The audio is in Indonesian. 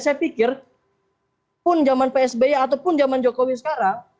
saya pikir pun zaman psb ataupun zaman jokowi sekarang